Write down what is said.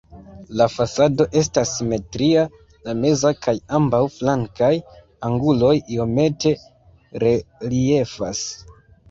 La fasado estas simetria, la meza kaj ambaŭ flankaj anguloj iomete reliefas.